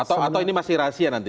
atau ini masih rahasia nanti